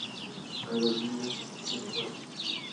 Aerolíneas Extintas